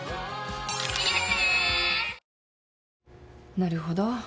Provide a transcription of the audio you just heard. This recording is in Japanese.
なるほど。